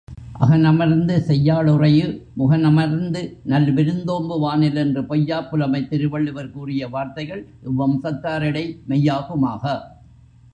அகனமர்ந்து செய்யாளுறையு முகனமர்ந்து நல் விருந்தோம்புவானில் என்று பொய்யாப் புலமைத் திருவள்ளுவர் கூறிய வார்த்தைகள் இவ் வம்சத்தாரிடை மெய்யாகுமாக.